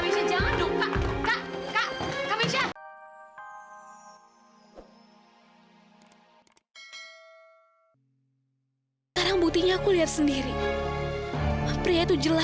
seharusnya aku benci sama dia